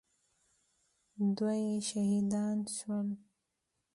دوه يې شهيدان سول.